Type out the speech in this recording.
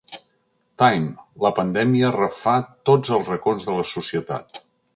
Time: La pandèmia refà tots els racons de la societat.